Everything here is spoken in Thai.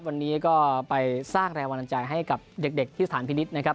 วันนี้ก็ไปสร้างแรงบันดาลใจให้กับเด็กที่สถานพินิษฐ์นะครับ